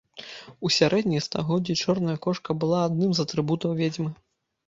У сярэднія стагоддзі чорная кошка была адным з атрыбутаў ведзьмы.